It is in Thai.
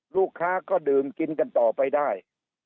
ลูกค้าก็ดื่มกินกันต่อไปได้